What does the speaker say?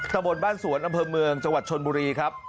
ตะบนบ้านสวนอำเภอเมืองจังหวัดชนบุรีครับ